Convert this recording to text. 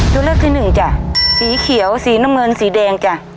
ตัวเลือกที่หนึ่งจ้ะสีเขียวสีน้ำเงินสีแดงจ้ะ